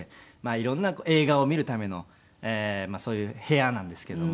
色んな映画を見るためのそういう部屋なんですけども。